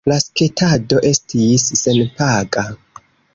La sketado estis senpaga.